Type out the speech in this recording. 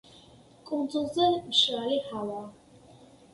კუნძულზე მშრალი ჰავაა.